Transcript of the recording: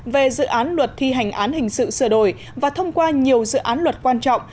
về dự án luật thi hành án hình sự sửa đổi và thông qua nhiều dự án luật quan trọng